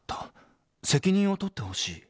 ［「責任を取ってほしい」］